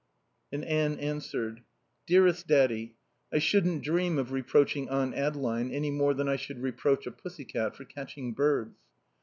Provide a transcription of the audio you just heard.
And Anne answered: DEAREST DADDY, I shouldn't dream of reproaching Aunt Adeline any more than I should reproach a pussycat for catching birds.